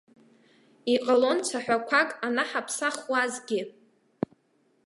Иҟалалон цәаҳәақәак анаҳаԥсахуазгьы.